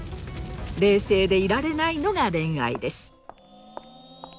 冷静でいられないのが恋愛です。